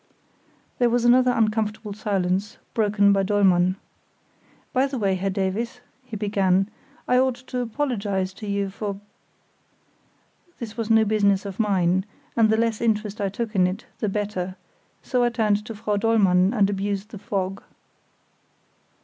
There was another uncomfortable silence, broken by Dollmann. "By the way, Herr Davies," he began, "I ought to apologise to you for——" This was no business of mine, and the less interest I took in it the better; so I turned to Frau Dollmann and abused the fog.